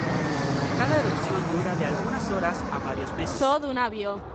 Cada erupción dura de algunas horas a varios meses.